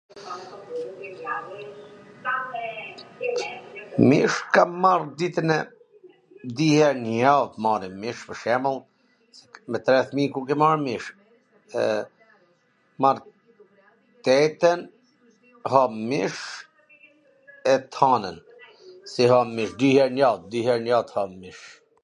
Mish kam marr ditwn e ... di her nw jav marrim mish pwr shembull, me tre fmij ku ke ma mish, marr t ejten, ham mish, e t hanwn, si ham mish, dy her n jav, dy her n jav ham mish.